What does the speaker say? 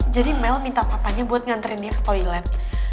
jadi mel minta papanya buat nganterin dia ke toilet